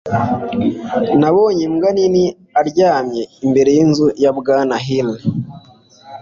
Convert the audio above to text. Nabonye imbwa nini aryamye imbere yinzu ya Bwana Hill.